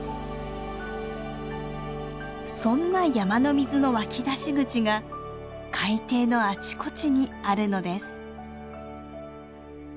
そんな山の水の湧き出し口が海底のあちこちにあるのです。